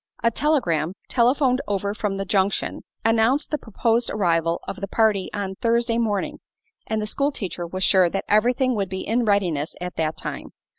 A telegram, telephoned over from the junction, announced the proposed arrival of the party on Thursday morning, and the school teacher was sure that everything would be in readiness at that time.